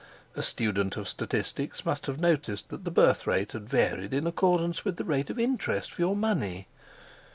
A student of statistics must have noticed that the birth rate had varied in accordance with the rate of interest for your money.